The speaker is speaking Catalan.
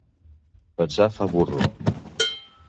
Pensar fa burro.